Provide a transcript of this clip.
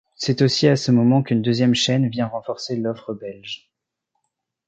C'est aussi à ce moment qu'une deuxième chaîne vient renforcer l'offre belge.